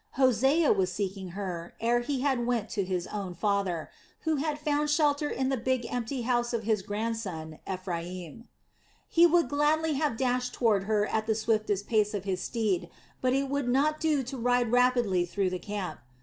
Hosea was seeking her ere he went to his own father, who had found shelter in the big empty house of his grandson, Ephraim. He would gladly have dashed toward her at the swiftest pace of his steed, but it would not do to ride rapidly through the camp.